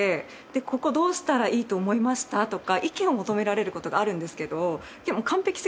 「ここどうしたらいいと思いました？」とか意見を求められる事があるんですけど。